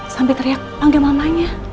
sampai teriak panggil mamanya